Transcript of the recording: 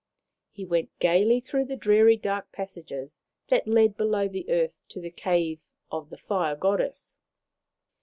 He went gaily through the dreary dark pas sages that led below the earth to the cave of the Fire Goddess.